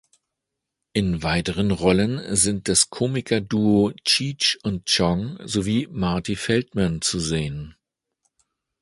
In weiteren Rollen sind das Komikerduo Cheech und Chong sowie Marty Feldman zu sehen.